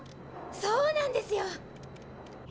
そうなんですよ。